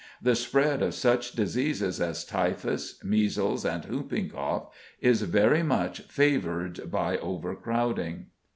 The spread of such diseases as typhus, measles, and whooping cough is very much favoured by overcrowding.